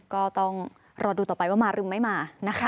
ก็ต้องรอดูต่อไปว่ามาหรือไม่มานะคะ